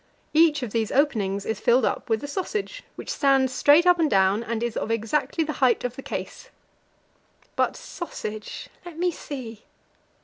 Each of these openings is filled up with a sausage, which stands straight up and down, and is of exactly the height of the case. But sausage let me see.